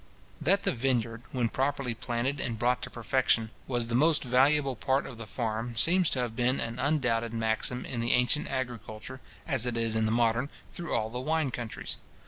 That the vineyard, when properly planted and brought to perfection, was the most valuable part of the farm, seems to have been an undoubted maxim in the ancient agriculture, as it is in the modern, through all the wine countries.